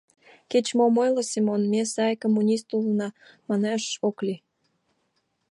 — Кеч-мом ойло, Семон, ме сай коммунист улына манаш ок лий.